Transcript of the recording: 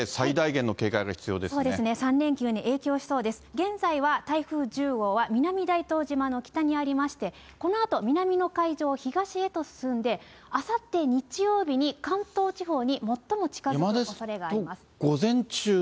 現在は台風１０号は南大東島の北にありまして、このあと南の海上を東へと進んで、あさって日曜日に関東地方に最も近づくおそれがあります。